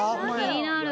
気になる。